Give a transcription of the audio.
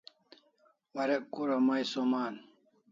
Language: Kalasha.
Warek kura mai som an